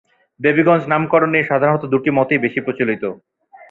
দেবীগঞ্জ নামকরণ নিয়ে সাধারণত দুটি মতই বেশি প্রচলিত।